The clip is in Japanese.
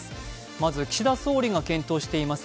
まず岸田総理が検討しております